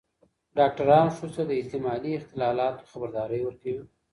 ډاکتران ښځو ته د احتمالي اختلالاتو خبرداری ورکوي.